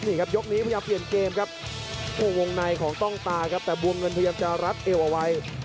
นี่ครับยกนี้พยายามเปลี่ยนเกมครับโอ้โหวงในของต้องตาครับแต่บัวเงินพยายามจะรัดเอวเอาไว้